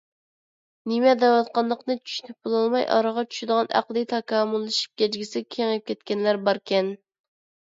نېمە دەۋاتقانلىقىنى چۈشىنىپ بولالماي ئارىغا چۈشىدىغان ئەقلى تاكامۇللىشىپ گەجگىسىگە كېڭىيىپ كەتكەنلەر باركەن.